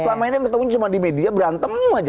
selama ini yang ketemunya cuma di media berantem aja